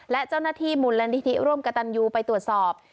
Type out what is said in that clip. และเจ้าหน้าที่มูลนิธิร่วมกับตันยูไปตรวจสอบ